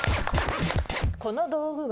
この道具は？